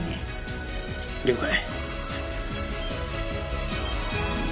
了解。